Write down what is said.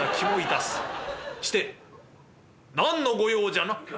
して何の御用じゃな？」。